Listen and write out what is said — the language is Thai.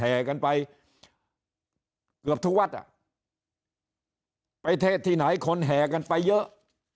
แห่กันไปเกือบทุกวัดอ่ะไปเทศที่ไหนคนแห่กันไปเยอะ